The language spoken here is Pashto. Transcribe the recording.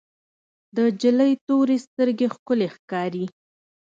د انجلۍ تورې سترګې ښکلې ښکاري.